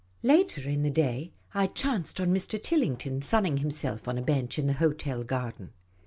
Later in the day, I chanced on Mr. Tillington, sunning himself on a bench in the hotel garden.